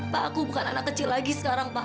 pak aku bukan anak kecil lagi sekarang pak